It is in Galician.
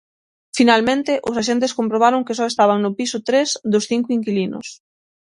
Finalmente os axentes comprobaron que só estaban no piso tres dos cinco inquilinos.